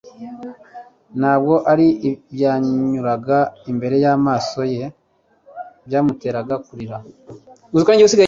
Ntabwo ari ibyanyuraga imbere y'amaso ye byamuteraga kurira.